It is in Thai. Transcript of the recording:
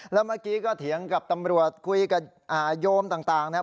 แล้วเมื่อกี้ก็เถียงกับตำรวจคุยกับโยมต่างนะครับ